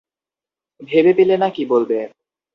ভেবে পেলে না কী বলবে।